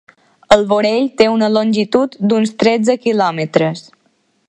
El vorell té una longitud d'uns tretze quilòmetres.